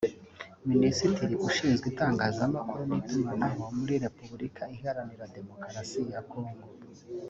Minisitiri Ushinzwe itangazamakuru n’itumanaho muri Repubulika Iharanira Demokarasi ya Congo